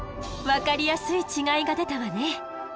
分かりやすい違いが出たわね。